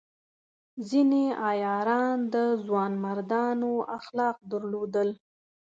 ځینې عیاران د ځوانمردانو اخلاق درلودل.